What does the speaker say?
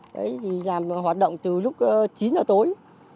đấy thì làm hoạt động từ lúc chín h tối